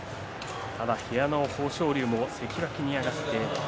部屋の豊昇龍も関脇に上がっています。